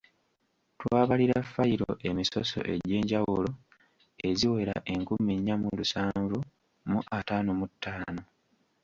Twabalira fayiro emisoso egyenjawulo eziwera enkumi nnya mu lusanvu mu ataano mu ttaano.